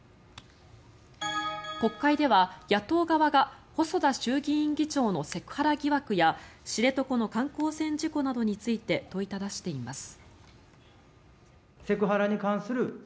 国会では野党側が細田衆議院議長のセクハラ疑惑や知床の観光船事故などについて問いただしています。